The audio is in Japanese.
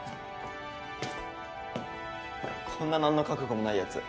こんな何の覚悟もないヤツ